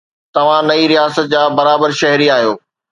توهان نئين رياست جا برابر شهري آهيو.